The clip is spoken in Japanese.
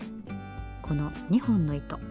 この２本の糸。